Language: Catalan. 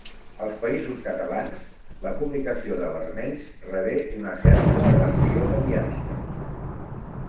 Als Països Catalans, la publicació de Vermells rebé una certa atenció mediàtica.